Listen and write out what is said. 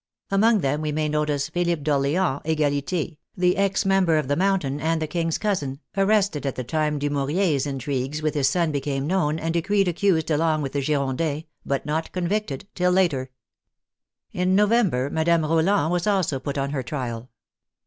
Among them we may notice Philippe d'Orleans Egalite, the ex member of the Mountain and the king's cousin, arrested at the time Dumouriez's intrigues with his son became known, and decreed accused along with the Girondins, but not convicted till later. In November, Madame Roland was also put on her trial.